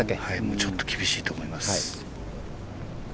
ちょっと厳しいと思います。